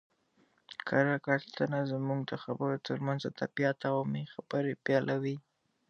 کره کتنه زموږ د خبرو ترمنځ ادبیات او عامي خبري بېلوي.